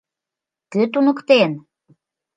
Кӧ туныктен?